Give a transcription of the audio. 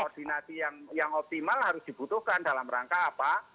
koordinasi yang optimal harus dibutuhkan dalam rangka apa